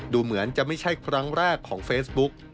ดูเหมือนจะไม่ใช่ครั้งแรกของเฟซบุ๊ก